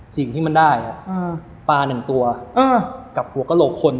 สิ่งที่มันได้ปลาหนึ่งตัวกับหัวกระโหลกคน